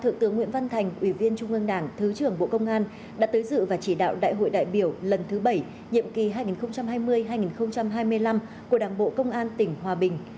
thượng tướng nguyễn văn thành ủy viên trung ương đảng thứ trưởng bộ công an đã tới dự và chỉ đạo đại hội đại biểu lần thứ bảy nhiệm kỳ hai nghìn hai mươi hai nghìn hai mươi năm của đảng bộ công an tỉnh hòa bình